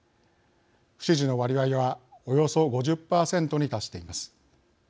不支持の割合はおよそ５０％に達しています。